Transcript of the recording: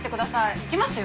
行きますよ。